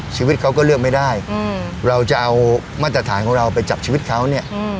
ชีวิตเขาก็เลือกไม่ได้เราจะเอามาตรฐานของเราไปจับชีวิตเขาเนี่ย